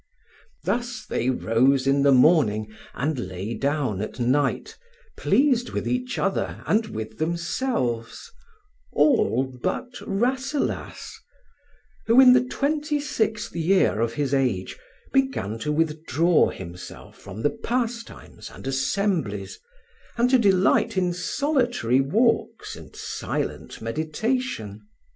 Thus they rose in the morning and lay down at night, pleased with each other and with themselves, all but Rasselas, who, in the twenty sixth year of his age, began to withdraw himself from the pastimes and assemblies, and to delight in solitary walks and silent meditation.